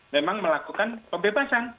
memang melakukan pembebasan